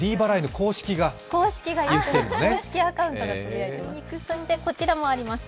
公式アカウントがつぶやいています。